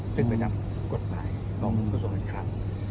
ซึ่งไปนำกฎภายของประสูจน์คลักษณ์